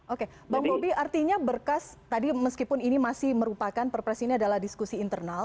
oke bang bobi artinya berkas tadi meskipun ini masih merupakan perpres ini adalah diskusi internal